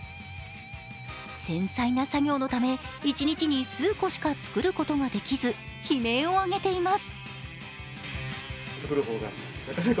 繊細な作業のため、一日に数個しか作ることができず、悲鳴を上げています。